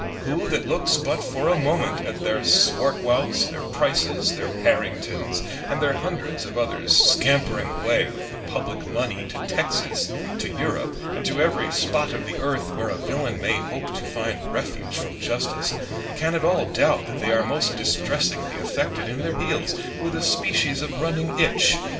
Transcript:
Who that looks but for a moment at their Swartwouts, their Prices, their Harringtons, and their hundreds of others scampering away with the public money to Texas, to Europe, and to every spot of the earth where a villain may hope to find refuge from justice, can at all doubt that they are most distressingly affected in their heels with a species of running itch?